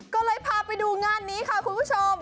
ก็เลยพาไปดูงานนี้ค่ะคุณผู้ชม